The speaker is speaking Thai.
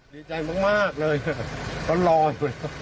ดีใจมักเลยก็รออยู่